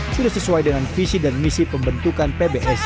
sudah sesuai dengan visi dan misi pembentukan pbsi